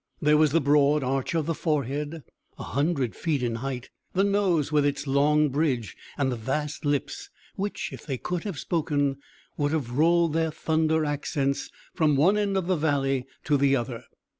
There was the broad arch of the forehead, a hundred feet in height; the nose, with its long bridge; and the vast lips, which, if they could have spoken, would have rolled their thunder accents from one end of the valley to the other.